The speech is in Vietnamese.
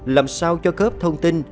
làm sao cho khớp thông tin